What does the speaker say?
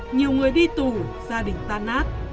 nhiều người đi tù gia đình tan nát